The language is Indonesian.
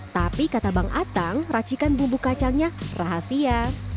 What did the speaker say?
tapi kata bang atang racikan bumbu kacangnya rahasia